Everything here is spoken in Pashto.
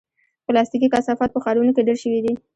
پلاستيکي کثافات په ښارونو کې ډېر شوي دي.